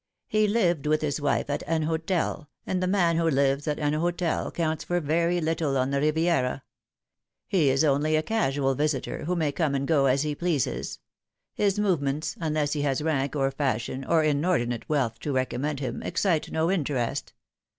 He lived with his wife at an hotel, and the man who lives at an hotel counts for very little on the Riviera. He is only a casual visitor, who may come and go as he pleases. His movements unless he has rank or fashion or inordinate wealth to recommend him excite no interest.